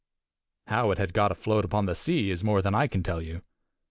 How it had got afloat upon the sea is more than I can tell you.